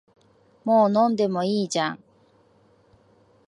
もう飲んでもいいじゃん